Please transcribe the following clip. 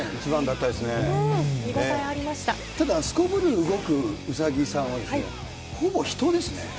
ただ、すこぶる動くウサギさんは、ほぼ人ですね。